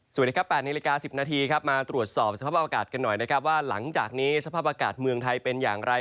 สวัสดีครับ๘นาฬิกา๑๐นาทีครับมาตรวจสอบสภาพอากาศกันหน่อยนะครับว่าหลังจากนี้สภาพอากาศเมืองไทยเป็นอย่างไร